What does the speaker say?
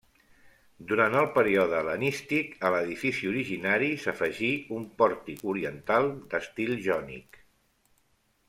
Durant el període hel·lenístic a l'edifici originari s'afegí un pòrtic oriental d'estil jònic.